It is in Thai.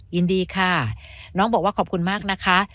ยินดีค่ะน้องบอกว่าขอบคุณมากนะคะ